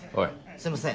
すいません。